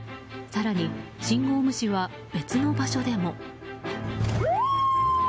更に信号無視は別の場所でも。